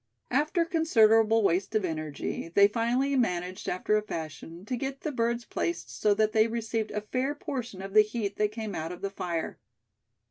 After considerable waste of energy, they finally managed, after a fashion, to get the birds placed so that they received a fair portion of the heat that came out of the fire.